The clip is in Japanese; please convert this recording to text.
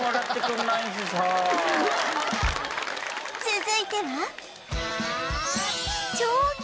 続いては